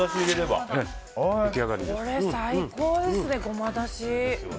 これ最高ですね、ごまだし。